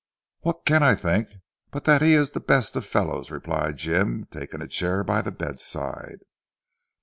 "What can I think but that he is the best of fellows," replied Jim taking a chair by the beside.